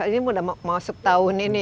ini sudah masuk tahun ini